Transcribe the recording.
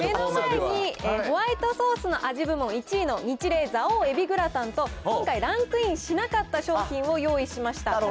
その前に、ホワイトソースの味部門１位のニチレイ蔵王えびグラタンと、今回ランクインしなかった商品を用意しました。